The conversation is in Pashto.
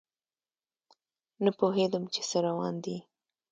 نه پوهیدم چې څه روان دي